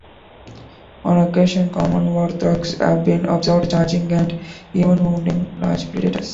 On occasion, common warthogs have been observed charging and even wounding large predators.